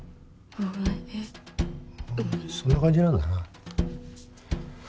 ふんそんな感じなんだな